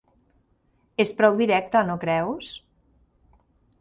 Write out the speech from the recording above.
És prou directe, no creus?